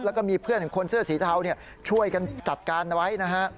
แล้วก็มีเพื่อนของคนเสื้อสีเทาช่วยกันจัดการไว้นะฮะ